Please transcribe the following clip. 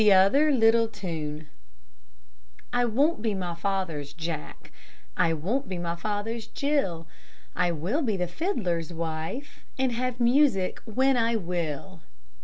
T'OTHER LITTLE TUNE I won't be my father's Jack, I won't be my father's Jill; I will be the fiddler's wife, And have music when I will.